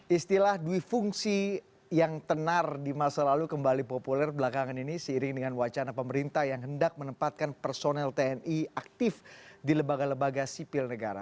istilah dwi fungsi yang tenar di masa lalu kembali populer belakangan ini seiring dengan wacana pemerintah yang hendak menempatkan personel tni aktif di lembaga lembaga sipil negara